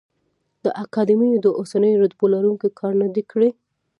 د اکاډمیو د اوسنیو رتبو لروونکي کار نه دی کړی.